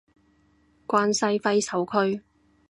關西揮手區